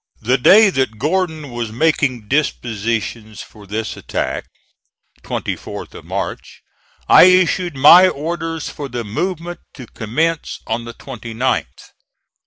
The day that Gordon was making dispositions for this attack (24th of March) I issued my orders for the movement to commence on the 29th.